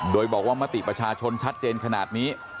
โดยบอกว่ามติประชาชนชัดเจนขนาดนี้